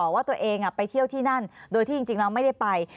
ว่าตัวเองไปเที่ยวที่นั่นโดยที่จริงแล้วไม่ได้ไป